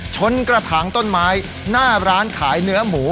กระถางต้นไม้หน้าร้านขายเนื้อหมู